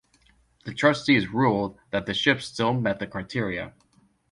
The trustees ruled that the ship still met the criteria.